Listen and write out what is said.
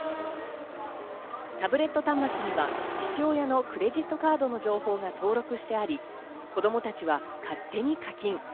タブレット端末には父親のクレジットカードの情報が登録してあり、子供たちは勝手に課金。